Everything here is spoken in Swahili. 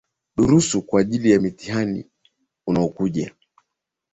Durusu kwa ajali ya mtihani unaokuja.